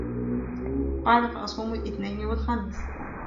قَالَ فَأَصُومُ الِاثْنَيْنِ وَالْخَمِيسَ